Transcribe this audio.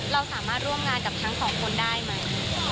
เราสามารถร่วมงานกับทั้งสองคนได้ไหม